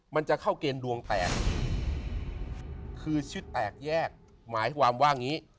มันจะเข้าเกณฑ์ดวงแตกคือชิดแตกแยกหมายความว่างี้